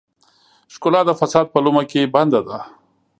ښکلا د فساد په لومه کې بنده ده.